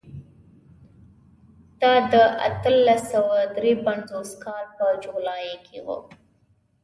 دا د اتلس سوه درې پنځوس کال په جولای کې و.